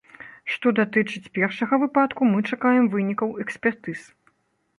Што датычыць першага выпадку, мы чакаем вынікаў экспертыз.